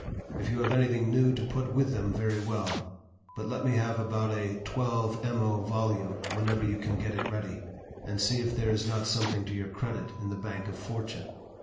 If you have anything new to put with them, very well; but let me have about a 12mo volume whenever you can get it ready, and see if there is not something to your credit in the bank of Fortune.